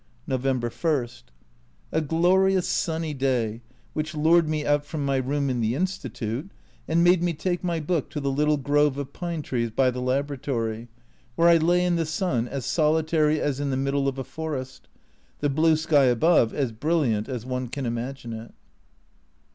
November I. A glorious sunny day, which lured me out from my room in the Institute, and made me take my book to the little grove of pine trees by the Laboratory, where I lay in the sun, as solitary as in the middle of a forest the blue sky above as brilliant as one can imagine it.